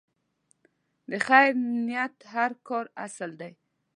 د خیر نیت د هر کار اصل دی.